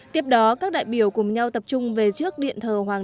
tiếp đó các đại biểu cùng nhau tập trung về trước địa phương